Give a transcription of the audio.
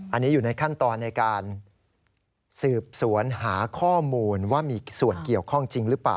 อันนี้อยู่ในขั้นตอนในการสืบสวนหาข้อมูลว่ามีส่วนเกี่ยวข้องจริงหรือเปล่า